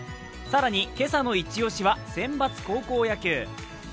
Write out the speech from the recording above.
更に今朝のイチ押しは選抜高校野球。